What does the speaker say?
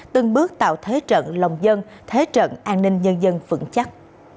từng bước tạo thế trận lòng dân thế trận an ninh nhân dân vững chắc